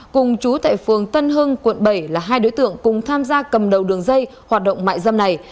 cùng chú tại phường tân hưng quận bảy là hai đối tượng cùng tham gia cầm đầu đường dây hoạt động mại dâm này